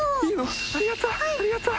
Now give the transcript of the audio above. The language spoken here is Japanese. ありがとう。